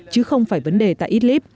chứ không phải vấn đề tại idlib